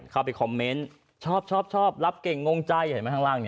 เข้าไปคอมเมนต์ชอบชอบรับเก่งงงใจเห็นไหมข้างล่าง